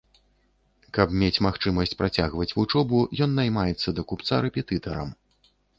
Каб мець магчымасць працягваць вучобу, ён наймаецца да купца рэпетытарам.